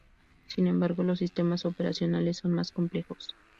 Sin embargo, los sistemas operacionales son más complejos.